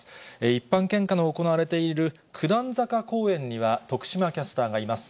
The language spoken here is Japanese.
一般献花の行われている九段坂公園には、徳島キャスターがいます。